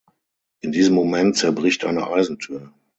In diesem Moment zerbricht eine Eisentür.